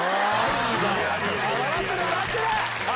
笑ってる笑ってる！